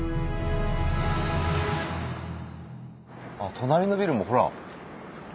隣のビルもほら。